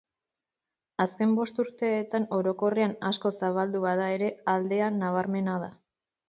Azken bost urteetan orokorrean asko zabaldu bada ere, aldea nabarmena da.